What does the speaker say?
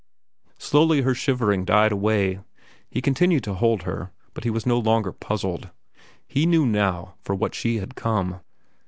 Slowly her shivering died away. He continued to hold her, but he was no longer puzzled. He knew now for what she had come.